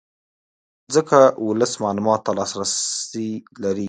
ځکه ولس معلوماتو ته لاسرې لري